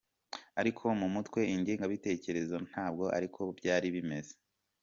Ariko mu mutwe ingengabitekerezo ntabwo ariko byari bimeze.